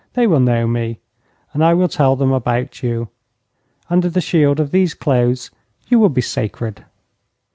They will know me. And I will tell them about you. Under the shield of these clothes you will be sacred.'